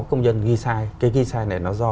công nhân ghi sai cái ghi sai này nó do